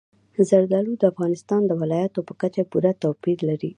زردالو د افغانستان د ولایاتو په کچه پوره توپیر لري.